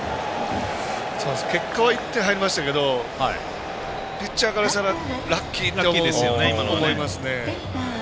結果は１点入りましたけどピッチャーからしたらラッキーって思いますね。